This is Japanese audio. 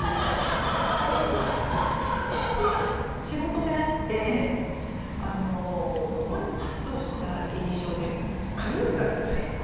仕事で会ってまずパッとした印象で髪の毛がですね